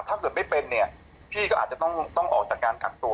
ถ้าเกิดไม่เป็นเนี่ยพี่ก็อาจจะต้องออกจากการกักตัว